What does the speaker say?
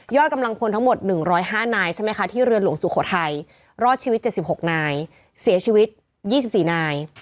กำลังพลทั้งหมด๑๐๕นายใช่ไหมคะที่เรือนหลวงสุโขทัยรอดชีวิต๗๖นายเสียชีวิต๒๔นาย